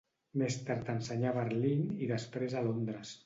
Més tard ensenyà a Berlín i després a Londres.